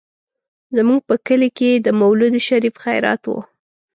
زموږ په کلي کې د مولود شريف خيرات و.